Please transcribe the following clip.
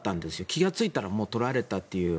気が付いたら取られたという。